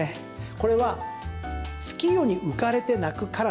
これは、月夜に浮かれて鳴く烏。